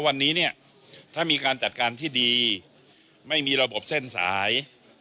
วันนี้เนี่ยถ้ามีการจัดการที่ดีไม่มีระบบเส้นสาย